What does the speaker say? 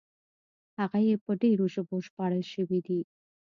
هغه یې په ډېرو ژبو ژباړل شوي دي.